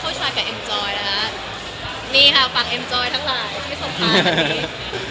มีค่ะฝั่งเอ็มจอยทั้งหลายที่สำคัญ